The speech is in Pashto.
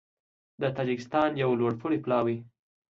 د تاجېکستان یو لوړپوړی پلاوی